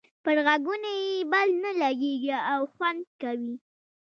پر غوږونو یې بد نه لګيږي او خوند کوي.